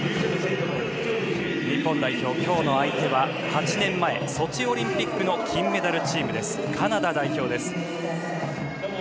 日本代表、今日の相手は８年前、ソチオリンピックの金メダルチームです、カナダ代表。